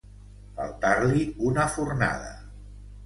Faltar-li una fornada.